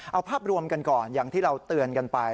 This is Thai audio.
เอาภาพรวมกันก่อนอย่างที่เราเตือนกันไป